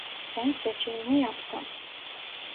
Ben seçimimi yaptım.